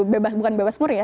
bukan bebas muria ya